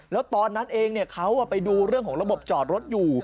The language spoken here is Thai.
แล้วตอนนั้นเองเขาไปดูเรื่องของระบบจอดรถอยู่